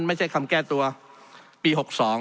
ไม่ใช่คำแก้ตัวปี๖๒